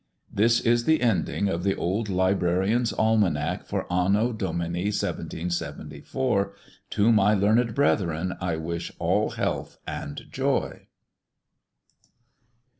This is the Ending of The Old Librarian's Almanack for Anno Domini 1 774. To my leam'd Brethren, I wish all Health and Joy.